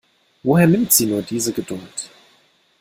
Woher nimmt sie nur diese Geduld?